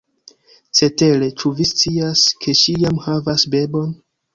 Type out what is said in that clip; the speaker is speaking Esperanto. Cetere, ĉu vi scias, ke ŝi jam havas bebon?